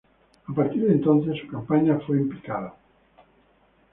A partir de entonces su campaña fue en picada.